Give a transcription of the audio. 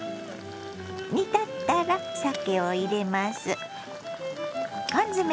煮立ったらさけを入れます。